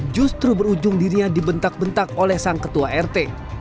justru berujung dirinya dibentak bentak oleh sang ketua rt